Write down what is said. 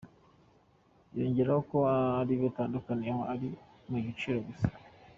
Yongeyeho ko aho bitandukaniye ari mu biciro gusa.